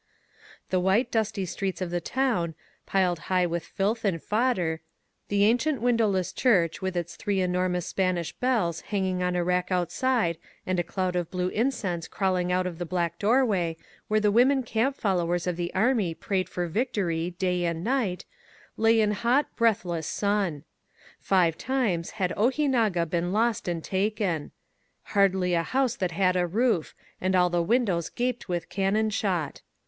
The white, dusty streets of the town, piled high with filth and fodder, the ancient windowless church with its three enormous Spanish bells hanging on a rack outside and a cloud of blue incense crawling out of the black doorway, where the women camp followers of the army prayed for victory day and night, lay in hot, breathless sun. Five times had Ojinaga been lost and taken. Hardly a house that had a roof, and all the walls gaped with cannon shot.